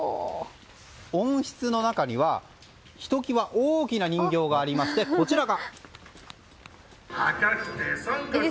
温室の中にはひときわ大きな人形がありましてこちらが。